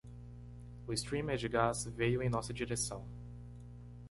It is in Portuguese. O streamer de gás veio em nossa direção.